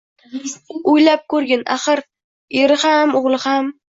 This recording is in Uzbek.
o`ylab ko`rgin, axir, eri ham, o`g`li ham